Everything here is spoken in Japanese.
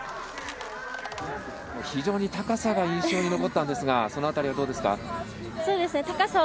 非常に高さが印象に残ったんですが、その辺り、どうですか。